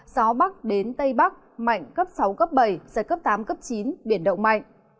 gió bắc đến tây bắc mạnh cấp sáu cấp bảy giật cấp tám cấp chín biển động mạnh